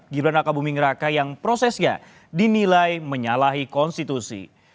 gibrana kabumi ngeraka yang prosesnya dinilai menyalahi konstitusi